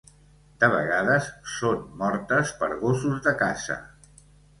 De vegades, són mortes per gossos de caça.